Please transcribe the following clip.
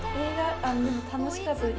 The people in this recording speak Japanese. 楽しかったです。